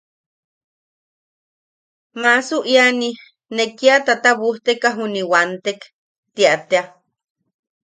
–Maasu iani, ne kia tatabujteka juni wantek. – Tia tea.